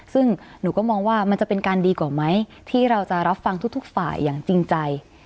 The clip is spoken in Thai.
ซึ่งหนูก็มองว่ามันจะเป็นการดีกว่าไหมที่เราจะรับฟังทุกฝ่ายอย่างจริงใจ